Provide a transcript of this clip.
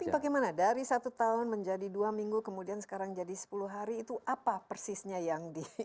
tapi bagaimana dari satu tahun menjadi dua minggu kemudian sekarang jadi sepuluh hari itu apa persisnya yang di